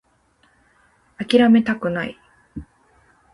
諦めたくない